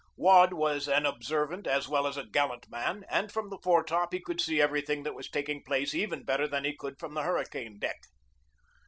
Waud was an observ ant as well as a gallant man, and from the foretop he could see everything that was taking place even better than we could from the hurricane deck.